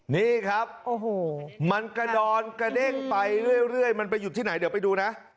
นี่ครับโอ้โหมันกระดอนกระเด้งไปเรื่อยมันไปหยุดที่ไหนเดี๋ยวไปดูนะ